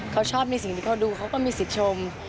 เขาชอบในสิ่งที่เขาดูเขาก็มีสิทธิ์ชม